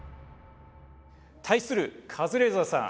対するカズレーザーさん